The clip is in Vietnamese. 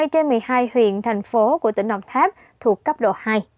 một mươi hai trên một mươi hai huyện thành phố của tỉnh đồng tháp thuộc cấp độ hai